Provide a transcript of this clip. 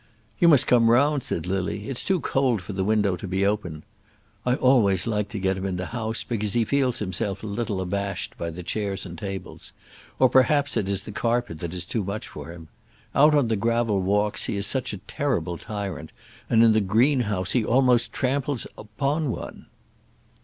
"You must come round," said Lily. "It's too cold for the window to be opened. I always like to get him into the house, because he feels himself a little abashed by the chairs and tables; or, perhaps, it is the carpet that is too much for him. Out on the gravel walks he is such a terrible tyrant, and in the greenhouse he almost tramples upon one!"